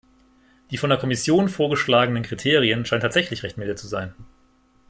Die von der Kommission vorgeschlagenen Kriterien scheinen tatsächlich recht milde zu sein.